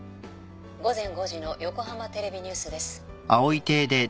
午前５時の横浜テレビニュースです。